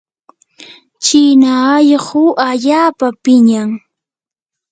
china allquu allaapa piñam.